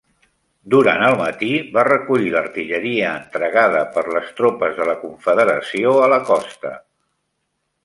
Durant el matí va recollir l'artilleria entregada per les tropes de la Confederació a la costa.